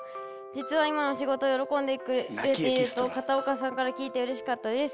実は今の仕事喜んでくれているとカタオカさんから聞いてうれしかったです。